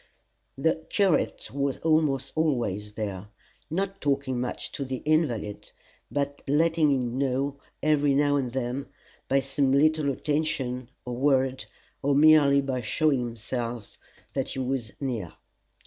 The curate was almost always there, not talking much to the invalid, but letting him know every now and then by some little attention or word, or merely by showing himself, that he was near.